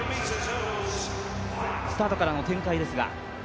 スタートからの展開ですが。